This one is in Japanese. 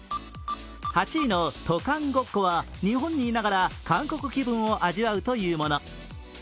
８位の渡韓ごっこは日本にいながら、韓国気分を味わうというもの。